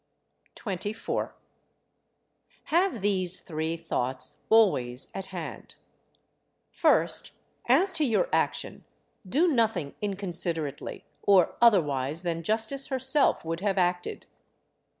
24. Have these three thoughts always at hand: First, as to your action, do nothing inconsiderately, or otherwise than justice herself would have acted.